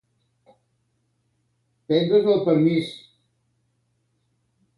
Prendre's el permís.